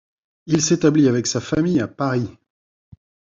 Il s’établit avec sa famille à Paris.